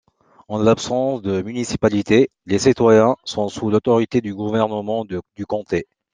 En l'absence de municipalité, les citoyens sont sous l'autorité du gouvernement du comté.